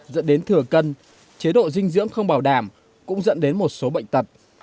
dẫn đến thừa cân chế độ dinh dưỡng không bảo đảm cũng dẫn đến một số bệnh tật